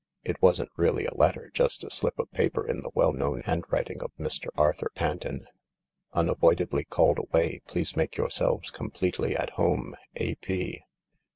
It wasn't really a letter; just a slip of paper in the well known handwriting of Mr. Arthur Panton. " Unavoidably called away. Please make yourselves completely at home. — A.